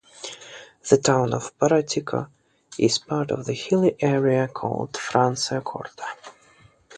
The town of Paratico is part of the hilly area called Franciacorta.